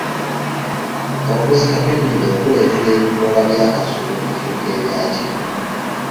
Okuzika kw'ennimiro kuleetera ebikoola bya kasooli okufuuka ebya kyenvu.